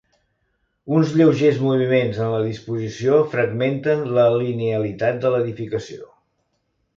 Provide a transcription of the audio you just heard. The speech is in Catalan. Uns lleugers moviments en la disposició fragmenten la linealitat de l'edificació.